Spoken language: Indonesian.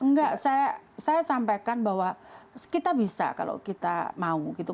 enggak saya sampaikan bahwa kita bisa kalau kita mau gitu